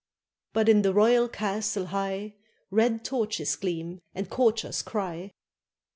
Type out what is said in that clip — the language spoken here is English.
But in the royal castle high Red torches gleam and courtiers cry.